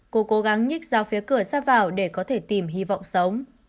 cô cố gắng nhích ra phía cửa sắp vào để có thể tìm hy vọng sống